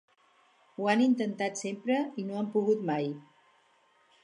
Ho han intentat sempre i no han pogut mai.